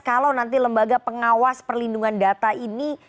kalau nanti lembaga pengawas perlindungan data ini